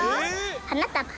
はなたば。